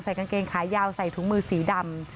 กางเกงขายาวใส่ถุงมือสีดำ